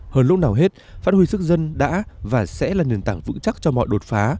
hơn lúc nào hết phát huy sức dân đã và sẽ là nền tảng vững chắc cho mọi đột phá